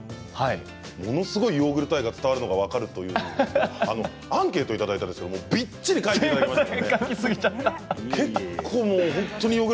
ものすごいヨーグルト愛が伝わるのが分かりますアンケートをいただいたんですがびっしり書いていただきました。